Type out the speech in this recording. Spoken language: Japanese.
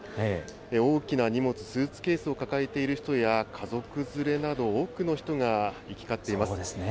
大きな荷物、スーツケースを抱えている人や、家族連れなど、多くの人が行き交っています。